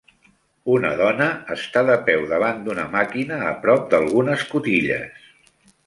Una dona està de peu davant d'una màquina a prop d'algunes cotilles.